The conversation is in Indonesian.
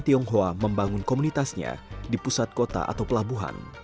tionghoa membangun komunitasnya di pusat kota atau pelabuhan